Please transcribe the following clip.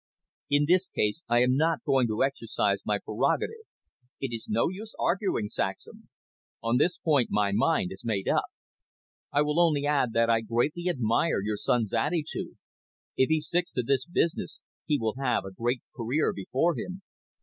"In this case I am not going to exercise my prerogative. It is no use arguing, Saxham. On this point my mind is made up. I will only add that I greatly admire your son's attitude. If he sticks to this business, he will have a great career before him."